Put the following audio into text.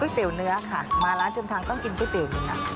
เตี๋ยวเนื้อค่ะมาร้านจำทางต้องกินก๋วยเตี๋ยวเลยนะ